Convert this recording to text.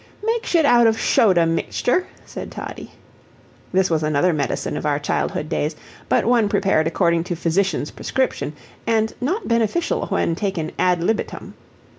"Makesh it out of shoda mitsture," said Toddie. This was another medicine of our childhood days, but one prepared according to physician's prescription, and not beneficial when taken ad libitum.